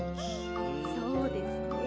そうですね。